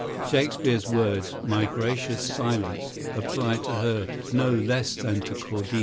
Shakespeare's words, 'my gracious silence,' applied to her, no less than to Cordelia."